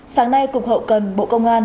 sáng nay cục hậu cần bộ công an